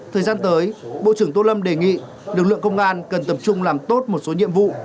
thời gian tới bộ trưởng tô lâm đề nghị lực lượng công an cần tập trung làm tốt một số nhiệm vụ